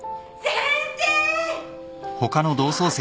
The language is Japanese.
先生。